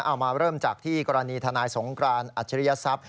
เอามาเริ่มจากที่กรณีทนายสงกรานอัจฉริยศัพย์